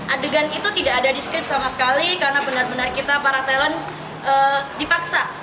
adegan itu tidak ada deskrip sama sekali karena benar benar kita para talent dipaksa